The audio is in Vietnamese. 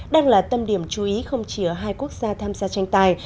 đang là tâm điểm chú ý không chỉ ở hai quốc gia tham gia tranh tài